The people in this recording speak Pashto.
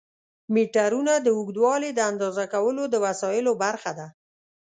میټرونه د اوږدوالي د اندازه کولو د وسایلو برخه ده.